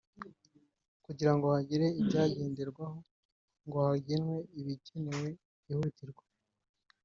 kugirango hagire ibyagenderwaho ngo hagenwe ibikenewe byihutirwa